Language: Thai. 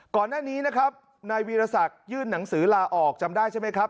ก่อนหน้านี้นะครับนายวีรศักดิ์ยื่นหนังสือลาออกจำได้ใช่ไหมครับ